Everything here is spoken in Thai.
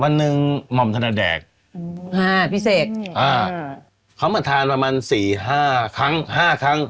วันหนึ่งหม่อมธนแดกอืมอ่าพี่เสกอ่าเขามาทานประมาณสี่ห้าครั้งห้าครั้ง